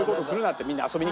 って。